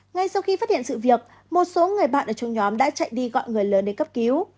ngay sau khi phát hiện sự việc một số người bạn ở trong nhóm đã chạy đi gọi người lớn đi cấp cứu